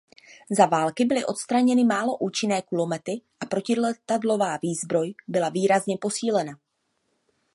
Za války byly odstraněny málo účinné kulomety a protiletadlová výzbroj byla výrazně posílena.